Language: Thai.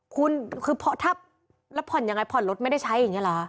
คุณคือถ้าแล้วผ่อนยังไงผ่อนรถไม่ได้ใช้อย่างนี้เหรอฮะ